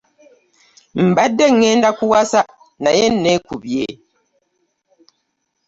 Mbadde ŋŋenda kuwasa naye nneekubye.